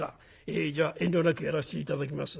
えじゃあ遠慮なくやらせて頂きます。